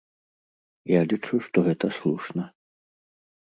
Я лічу, што гэта слушна.